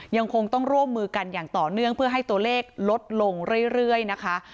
ยังคงต้องร่วมมือกันอย่างต่อเนื่องเพื่อให้ตัวเลขลดลงเรื่อยนะคะ